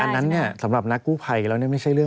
แต่อันนั้นเนี่ยสำหรับนักกู้ไพรแล้วเนี่ย